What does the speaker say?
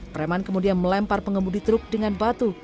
preman kemudian melempar pengemudi truk dengan batu